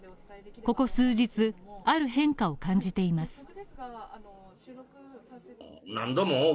ここ数日、ある変化を感じています。